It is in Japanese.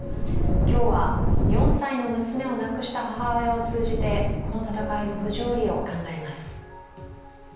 今日は４歳の娘を亡くした母親を通じてこの戦いの不条理を考えます。